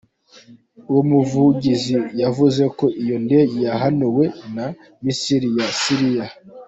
Uwo muvugizi yavuze ko iyo ndege yahanuwe na "missile" ya Siriya.